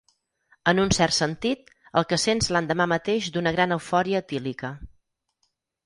En un cert sentit, el que sents l'endemà mateix d'una gran eufòria etílica.